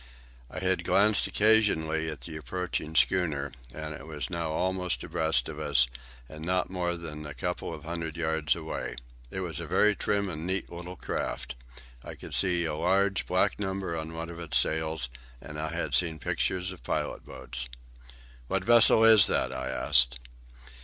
I had glanced occasionally at the approaching schooner, and it was now almost abreast of us and not more than a couple of hundred yards away. It was a very trim and neat little craft. I could see a large, black number on one of its sails, and I had seen pictures of pilot boats. "What vessel is that?" I asked.